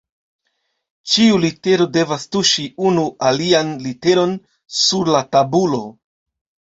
Ĉiu litero devas tuŝi unu alian literon sur la tabulo.